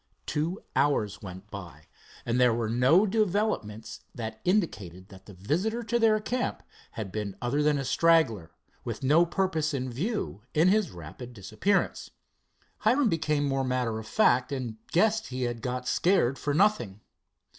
Two hours went by, and there were no developments that indicated that the visitor to their camp had been other than a straggler, with no purpose in view in his rapid disappearance. Hiram became more matter of fact, and guessed he had "got scared for nothing."